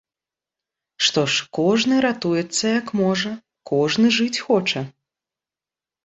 Што ж, кожны ратуецца, як можа, кожны жыць хоча.